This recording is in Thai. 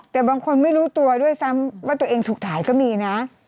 แต่บางคนไม่รู้ตัวด้วยซ้ำว่าตัวเองถูกถ่ายก็มีนะ